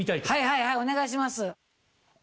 はいお願いします。